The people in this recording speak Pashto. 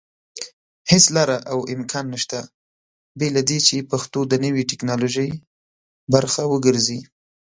هيڅ لاره او امکان نشته بېله دې چې پښتو د نوي ټيکنالوژي پرخه وګرځي